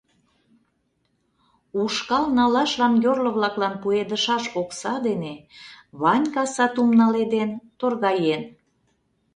Ушкал налашлан йорло-влаклан пуэдышаш окса дене Ванька сатум наледен, торгаен.